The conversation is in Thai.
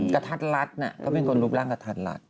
กระทัดรัดน่ะเขาเป็นคนรูปร่างกระทัดรัด